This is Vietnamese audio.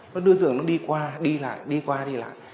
đối tượng nó đi qua đi lại đi qua đi lại